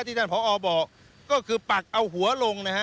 ท่านผอบอกก็คือปักเอาหัวลงนะฮะ